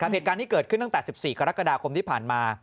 เหตุการณ์นี้เกิดขึ้นตั้งแต่๑๔กรกฎาคมที่ผ่านมา